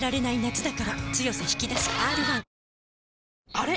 あれ？